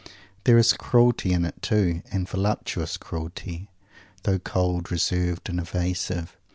There is cruelty in it, too, and voluptuous cruelty, though cold, reserved, and evasive.